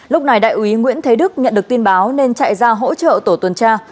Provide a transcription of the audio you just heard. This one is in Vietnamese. lúc này đại úy nguyễn thế đức nhận được tin báo nên chạy ra hỗ trợ tổ tuần tra